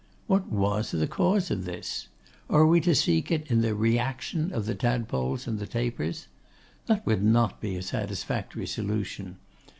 What was the cause of this? Are we to seek it in the 'Reaction' of the Tadpoles and the Tapers? That would not be a satisfactory solution.